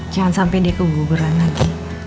jangan sampai dia keguguran lagi